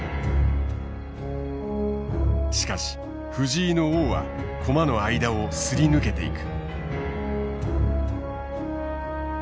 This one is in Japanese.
しかし藤井の王は駒の間をすり抜けていく。